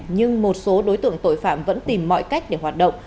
nhưng một số đối tượng tội phạm vẫn tìm mọi cách để hoạt động